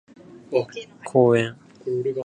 公園